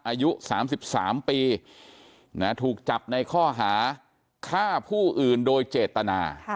อายุ๓๓ปีถูกจับในข้อหาฆ่าผู้อื่นโดยเจตนา